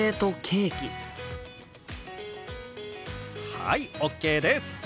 はいＯＫです！